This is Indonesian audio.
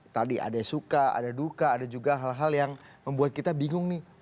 tadi ada yang suka ada duka ada juga hal hal yang membuat kita bingung nih